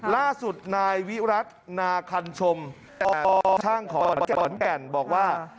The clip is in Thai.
ล่าสุดนายวิรัตินาคันชมอปช่างของขอนแก่นบอกว่า